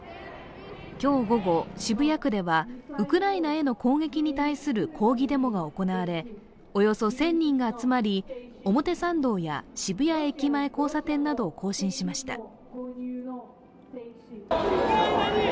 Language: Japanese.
今日午後、渋谷区ではウクライナへの攻撃に対する抗議デモが行われおよそ１０００人が集まり、表参道や渋谷駅前交差点などを行進しました。